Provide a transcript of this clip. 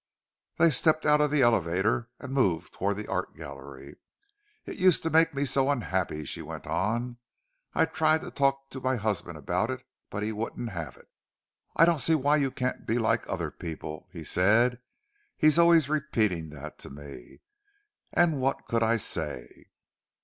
They stepped out of the elevator, and moved toward the art gallery. "It used to make me so unhappy," she went on. "I tried to talk to my husband about it, but he wouldn't have it. 'I don't see why you can't be like other people,' he said—he's always repeating that to me. And what could I say?"